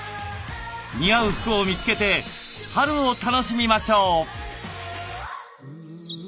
似合う服を見つけて春を楽しみましょう。